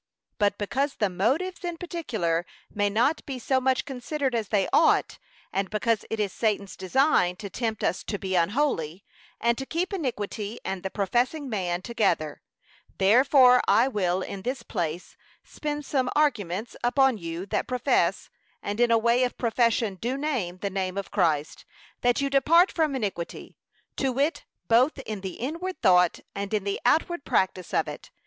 But because the motives in particular may not be so much considered as they ought, and because it is Satan's design to tempt us to be unholy, and to keep iniquity and the professing man together; therefore I will in this place spend some arguments upon you that profess, and in a way of profession do name the name of Christ, that you depart from iniquity; to wit, both in the inward thought and in the outward practice of it.